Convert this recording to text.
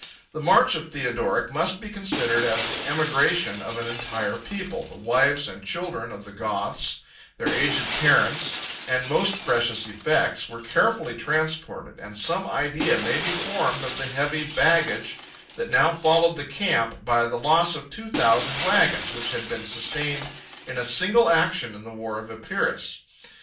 The march of Theodoric must be considered as the emigration of an entire people; the wives and children of the Goths, their aged parents, and most precious effects, were carefully transported; and some idea may be formed of the heavy baggage that now followed the camp, by the loss of two thousand wagons, which had been sustained in a single action in the war of Epirus.